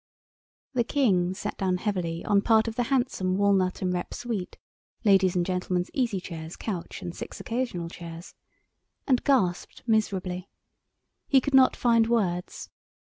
The King sat down heavily on part of the handsome walnut and rep suite (ladies' and gentlemen's easy chairs, couch and six occasional chairs) and gasped miserably. He could not find words.